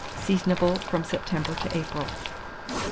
Seasonable from September to April.